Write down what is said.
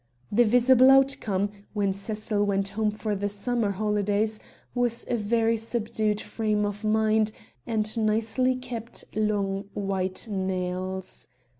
The visible outcome, when Cecil went home for the summer holidays, was a very subdued frame of mind, and nicely kept, long white nails.